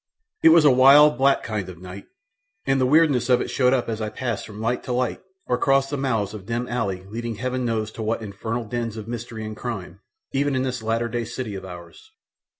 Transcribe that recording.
It was a wild, black kind of night, and the weirdness of it showed up as I passed from light to light or crossed the mouths of dim alleys leading Heaven knows to what infernal dens of mystery and crime even in this latter day city of ours.